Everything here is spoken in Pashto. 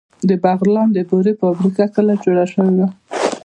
د بغلان د بورې فابریکه کله جوړه شوه؟